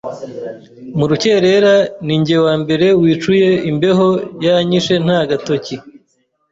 Mu rucyerera ninjye wambere wicuye imbeho yanyishe nta gakoti